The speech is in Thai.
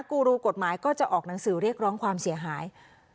กูรูกฎหมายก็จะออกหนังสือเรียกร้องความเสียหาย